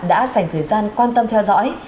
đã dành thời gian quan tâm theo dõi